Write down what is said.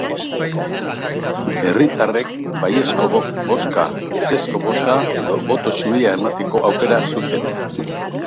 Herritarrek baiezko bozka, ezezko bozka edo boto zuria emateko aukera zuten.